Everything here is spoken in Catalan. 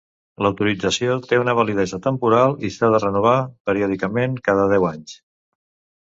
L'autorització té una validesa temporal i s'ha de renovar periòdicament, cada deu anys.